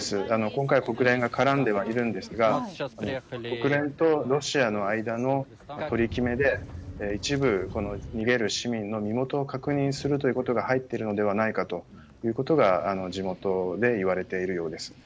今回は国連が絡んでいますが国連とロシアの間の取り決めで一部、逃げる市民の身元を確認するということが入っているのではないかと地元で言われているようです。